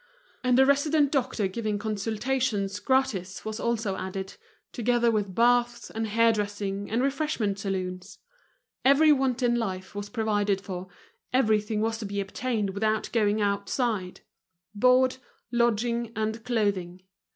And a resident doctor giving consultations gratis was also added, together with baths, and hair dressing and refreshment saloons. Every want in life was provided for, everything was to be obtained without going outside—board, lodging, and clothing.